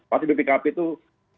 pasti bpkp tuh